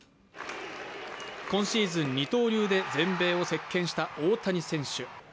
今シーズン二刀流で全米を席巻した大谷選手。